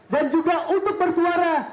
dan juga untuk bersuara